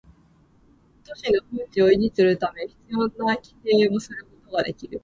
都市の風致を維持するため必要な規制をすることができる